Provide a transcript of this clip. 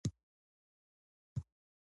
سرغړونکی به یوازې په ژمنه کولو سره معاف کېده.